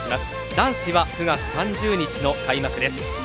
男子は９月３０日の開幕です。